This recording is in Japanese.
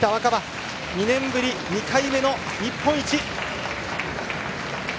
春２年ぶり２回目の日本一！